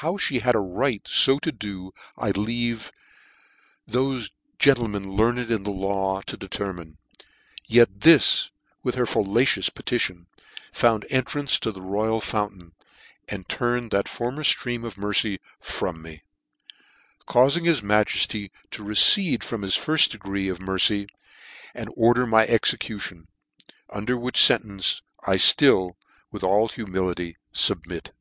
How me had a right fo to do, I leave thofe gentlemen learned in the law to determine : yet this, with her fallacious petition, found entrance to the Royal Fountain, and turn ed that former ftream of mercy from mej caufing his majefty to recede from his.firil decree of mer~ cy, and order my execution : under which fen tence I ftill, with all humility, fubmit.